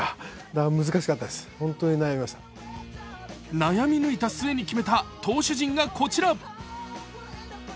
悩み抜いた末に決めた投手陣がこちら。